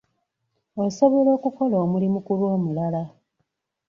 Osobola okukola omulimu ku lw'omulala.